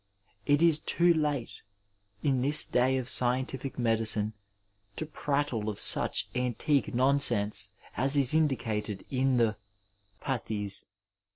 Jt is too late in this day of scientific medicine to prattle of si^ch antique nonsensie as is indicated in the " pathies."